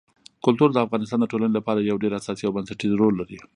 کلتور د افغانستان د ټولنې لپاره یو ډېر اساسي او بنسټيز رول لري.